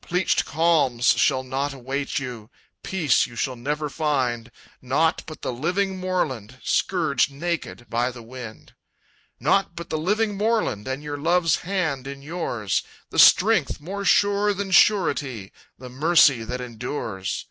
"Pleached calms shall not await you, Peace you shall never find; Nought but the living moorland Scourged naked by the wind. "Nought but the living moorland, And your love's hand in yours; The strength more sure than surety, The mercy that endures.